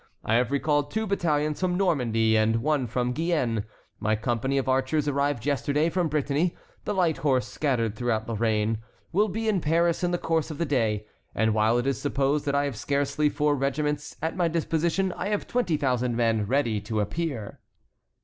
I have recalled two battalions from Normandy and one from Guyenne; my company of archers arrived yesterday from Brittany; the light horse, scattered throughout Lorraine, will be in Paris in the course of the day; and while it is supposed that I have scarcely four regiments at my disposition, I have twenty thousand men ready to appear."